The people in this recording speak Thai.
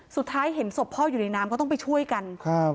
สุดท้ายเห็นศพพ่ออยู่ในน้ำก็ต้องไปช่วยกันครับ